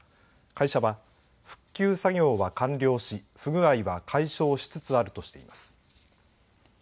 会社は復旧作業は完了し不具合は解消しつつあるとしています。